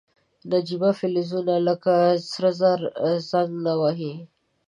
نجیبه فلزونه لکه سره زر زنګ نه وهي.